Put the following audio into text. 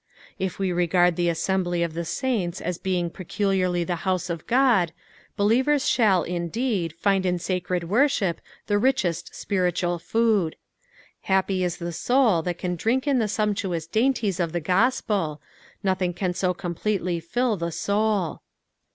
If we regard the nasemlity of the saiuta as being peculiarly the house of God, btlievcm shall, indeed, find in sacred worsliip the richest spiritual food. Happy is the soul that can drink in ths sumptuous dainties of the gospel — nothing can so completely fill the soul.